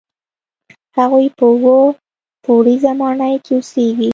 هغوی په اووه پوړیزه ماڼۍ کې اوسېږي.